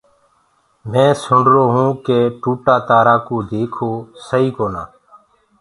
مينٚ سُرو هونٚ ڪي ٽوٽآ تآرآ ڪوُ ديگھوآ سئي ڪونآ۔